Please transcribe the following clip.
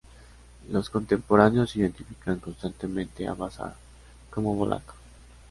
Los contemporáneos identifican constantemente a Basarab como valaco.